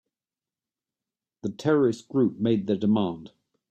The terrorist group made their demand.